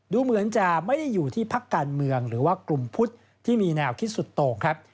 ดูเหมือนจะไม่ได้อยู่ที่พักการเมืองหรือว่ากลุ่มพุทธที่มีแนวคิดสุดโต่งครับ